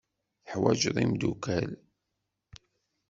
Teḥwajeḍ imeddukal.